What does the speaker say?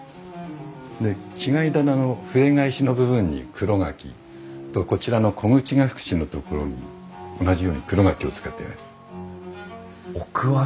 で違い棚の筆返しの部分に黒柿とこちらの小口隠しの所に同じように黒柿を使っております。